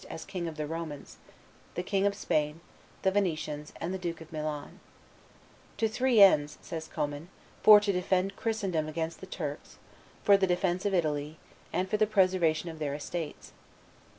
as King of the Romans, the King of Spain, the Venetians, and the Duke of Milan: "To three ends," says Commynes, "for to defend Christendom against the Turks, for the defence of Italy, and for the preservation of their Estates.